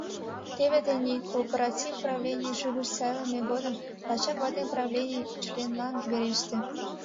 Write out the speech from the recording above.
Теве тений, кооператив правленийыш угыч сайлыме годым, лачак ватем правлений членлан вереште.